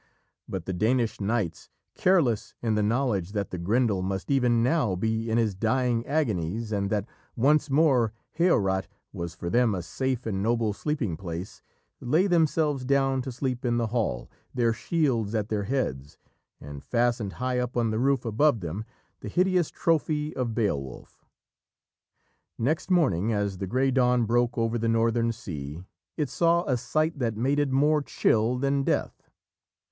But the Danish knights, careless in the knowledge that the Grendel must even now be in his dying agonies, and that once more Hereot was for them a safe and noble sleeping place, lay themselves down to sleep in the hall, their shields at their heads, and, fastened high up on the roof above them, the hideous trophy of Beowulf. Next morning as the grey dawn broke over the northern sea, it saw a sight that made it more chill than death.